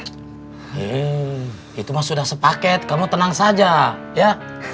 hmm itu mah sudah sepaket kamu tenang saja ya